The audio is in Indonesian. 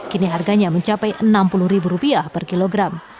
kini harganya mencapai enam puluh ribu rupiah per kilogram